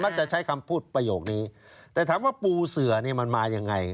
จะใช้คำพูดประโยคนี้แต่ถามว่าปูเสือเนี่ยมันมายังไง